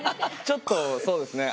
ちょっとそうですね